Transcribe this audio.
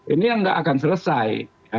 ini yang nggak akan selesai